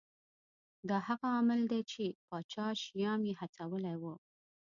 دا هغه عامل دی چې پاچا شیام یې هڅولی و.